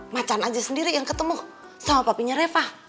macan aja sendiri yang ketemu sama papanya reva